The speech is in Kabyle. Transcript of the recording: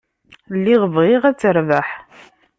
Lliɣ bɣiɣ ad terbeḥ.